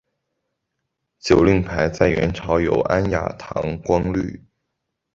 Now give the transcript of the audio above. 酒令牌在元朝有安雅堂觥律。